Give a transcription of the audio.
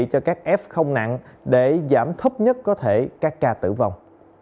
cho các f không nặng để giảm thấp nhất có thể các ca tử vong